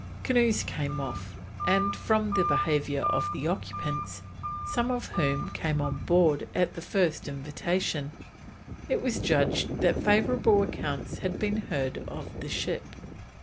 Canoes came off, and from the behaviour of the occupants, some of whom came on board at the first invitation, it was judged that favourable accounts had been heard of the ship.